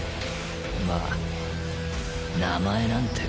まァ名前なんて